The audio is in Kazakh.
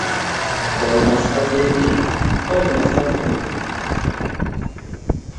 Тоймасқа берме, толмасқа құйма.